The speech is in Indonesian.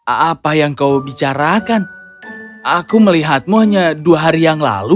apa yang kau bicarakan aku melihatmu hanya dua hari yang lalu